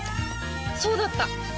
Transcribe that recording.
そうだった！